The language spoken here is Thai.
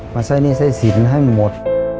มาใส่หนี้ใส่สินให้หมด